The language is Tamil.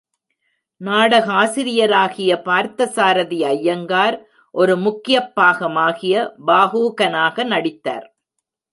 நாடகாசிரியராகிய பார்த்தசரதி ஐயங்கார் ஒரு முக்கியப் பாகமாகிய பாஹுகனாக நடித்தார்.